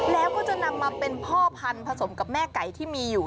แล้วก็จะนำมาเป็นพ่อพันธุ์ผสมกับแม่ไก่ที่มีอยู่